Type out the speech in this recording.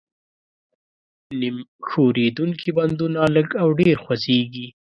نیم ښورېدونکي بندونه لږ او ډېر خوځېږي.